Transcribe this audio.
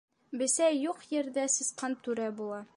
Бесәй юҡ ерҙә сысҡан түрә була.